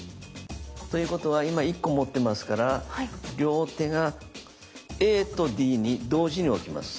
ということは今１個持ってますから両手がＡとＤに同時に置きます。